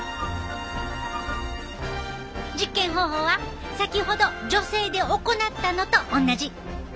実験方法は先ほど女性で行ったのと同じ。